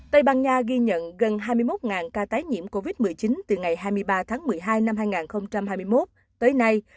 tây ban nha ghi nhận gần hai mươi một ca tái nhiễm covid một mươi chín từ ngày hai mươi ba tháng một mươi hai năm hai nghìn hai mươi một tới nay